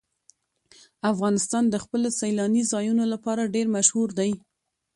افغانستان د خپلو سیلاني ځایونو لپاره ډېر مشهور دی.